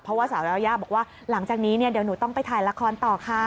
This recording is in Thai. เพราะว่าสาวยายาบอกว่าหลังจากนี้เนี่ยเดี๋ยวหนูต้องไปถ่ายละครต่อค่ะ